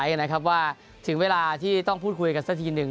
นะครับว่าถึงเวลาที่ต้องพูดคุยกันสักทีหนึ่ง